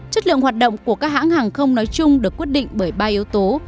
chất lượng hoạt động của các hãng hàng không nói chung được quyết định bởi ba yếu tố